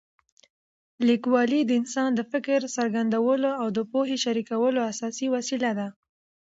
لیکوالي د انسان د فکر څرګندولو او د پوهې شریکولو اساسي وسیله ده.